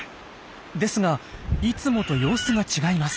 ですがいつもと様子が違います。